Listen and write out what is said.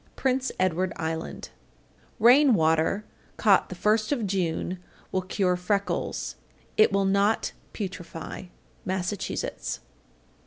Prince Edward Island. 840. Rain water caught the first of June will cure freckles. It will not putrefy. _Massachusetts.